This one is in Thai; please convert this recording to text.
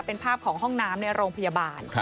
เป็นภาพของห้องน้ำในโรงพยาบาล